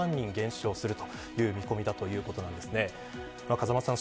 風間さん